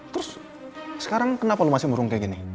terus sekarang kenapa lu masih murung kayak gini